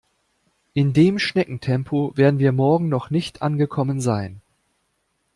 In dem Schneckentempo werden wir morgen noch nicht angekommen sein.